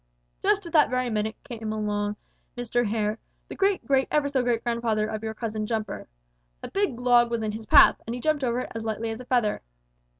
"Just at that very minute along came Mr. Hare, the great great ever so great grandfather of your cousin Jumper. A big log was in his path, and he jumped over it as lightly as a feather.